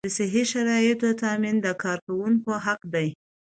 د صحي شرایطو تامین د کارکوونکي حق دی.